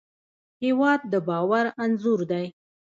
هېواد د باور انځور دی.